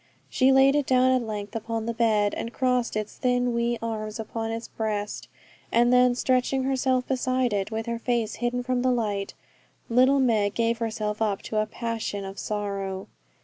She laid it down at length upon the bed, and crossed its thin wee arms upon its breast, and then stretching herself beside it, with her face hidden from the light, little Meg gave herself up to a passion of sorrow.